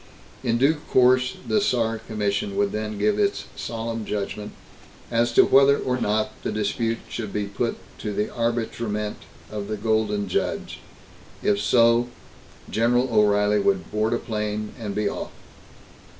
In due course, the Saar Commission would then give its solemn judgment as to whether or not the dispute should be put to the arbitrament of the Golden Judge. If so, General O'Reilly would board a plane, and be off.